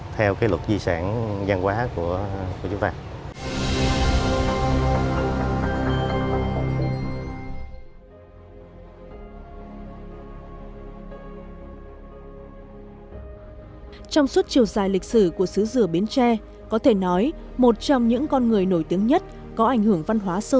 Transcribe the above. theo luật di sản văn hóa của chúng ta